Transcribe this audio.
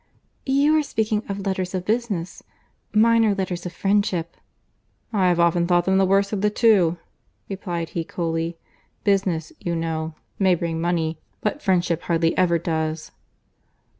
"You are speaking of letters of business; mine are letters of friendship." "I have often thought them the worst of the two," replied he coolly. "Business, you know, may bring money, but friendship hardly ever does."